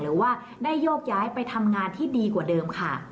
หรือว่าได้โยกย้ายไปทำงานที่ดีกว่าเดิมค่ะ